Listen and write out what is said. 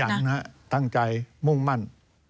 ท่านขยังนะตั้งใจมุ่งมั่น